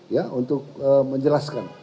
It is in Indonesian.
ya untuk menjelaskan